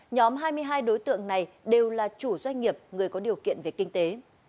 nhóm hai mươi hai đối tượng này đều là chủ doanh nghiệp người có điều kiện về kinh tế